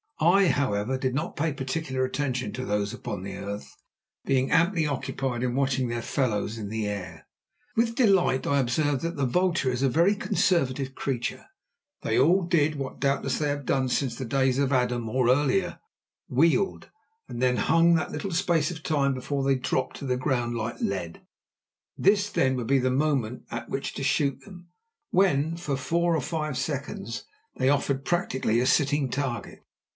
I, however, did not pay particular attention to those upon the earth, being amply occupied in watching their fellows in the air. With delight I observed that the vulture is a very conservative creature. They all did what doubtless they have done since the days of Adam or earlier—wheeled, and then hung that little space of time before they dropped to the ground like lead. This, then, would be the moment at which to shoot them, when for four or five seconds they offered practically a sitting target.